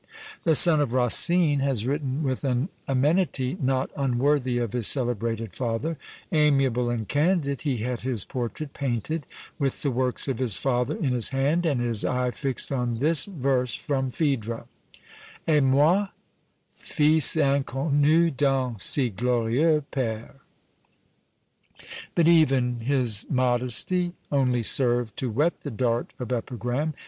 The son of Racine has written with an amenity not unworthy of his celebrated father; amiable and candid, he had his portrait painted, with the works of his father in his hand, and his eye fixed on this verse from PhÃḊdra, Et moi, fils inconnu d'un si glorieux pÃẀre! But even his modesty only served to whet the dart of epigram.